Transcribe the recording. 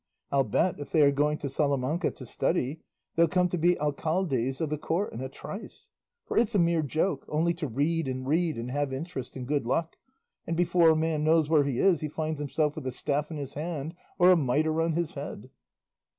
I'll bet, if they are going to Salamanca to study, they'll come to be alcaldes of the Court in a trice; for it's a mere joke only to read and read, and have interest and good luck; and before a man knows where he is he finds himself with a staff in his hand or a mitre on his head."